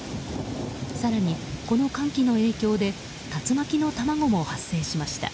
更にこの寒気の影響で竜巻の卵も発生しました。